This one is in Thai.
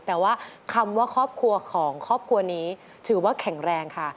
แต่ว่าคำว่าครอบครัวของครอบครัวนี้ถือว่าแข็งแรงค่ะ